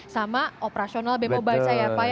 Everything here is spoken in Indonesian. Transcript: sama operasional bemo baca ya pak ya